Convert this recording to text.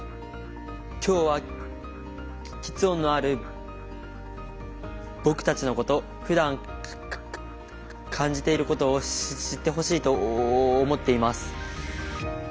今日はきつ音のある僕たちのことふだん感じていることを知ってほしいと思っています。